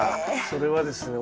それはですね